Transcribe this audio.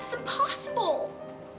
ini tidak mungkin